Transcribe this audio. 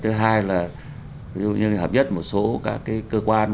thứ hai là hợp nhất một số các cái cơ quan